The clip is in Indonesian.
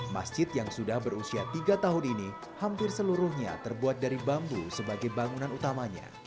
masjid yang sudah berusia tiga tahun ini hampir seluruhnya terbuat dari bambu sebagai bangunan utamanya